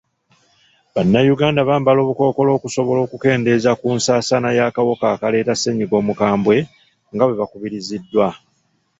Bannayuganda bambala obukkookolo okusobola okukendeeza ku nsaasaana y'akawuka akaleeta ssennyiga omukambwe nga bwe bakubiriziddwa.